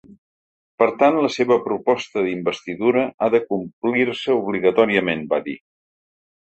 Per tant, la seva proposta d’investidura ha de complir-se obligatòriament, va dir.